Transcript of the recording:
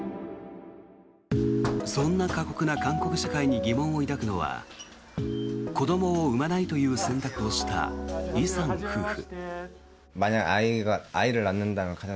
そんな過酷な韓国社会に疑問を抱くのは子どもを産まないという選択をした、イさん夫婦。